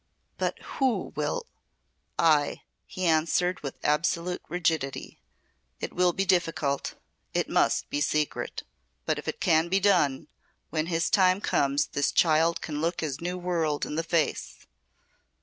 "But who will ?" "I," he answered with absolute rigidity. "It will be difficult. It must be secret. But if it can be done when his time comes the child can look his new world in the face.